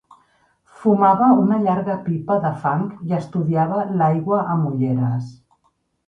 Fumava una llarga pipa de fang i estudiava l'aigua amb ulleres.